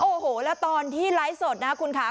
โอ้โหแล้วตอนที่ไลฟ์สดนะคุณค่ะ